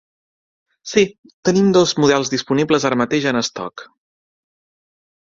Sí, tenim dos models disponibles ara mateix en estoc.